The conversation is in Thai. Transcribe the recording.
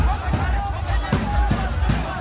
มันอาจจะไม่เอาเห็น